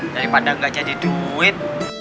daripada gak jadi duit